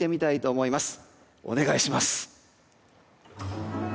お願いします。